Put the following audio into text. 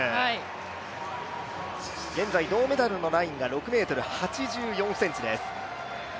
現在銅メダルのラインが６ｍ８４ｃｍです。